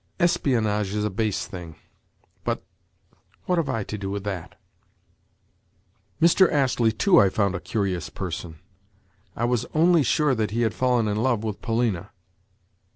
Espionage is a base thing, but—what have I to do with that? Mr. Astley, too, I found a curious person. I was only sure that he had fallen in love with Polina.